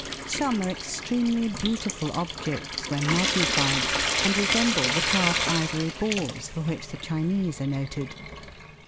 (Fig. 33.) Some are extremely beautiful objects when magnified, and resemble the carved ivory balls for which the Chinese are noted.